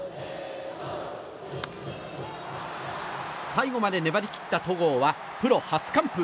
最後まで粘り切った戸郷はプロ初完封。